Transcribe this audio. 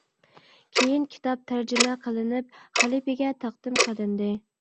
كېيىن كىتاب تەرجىمە قىلىنىپ، خەلىپىگە تەقدىم قىلىندى.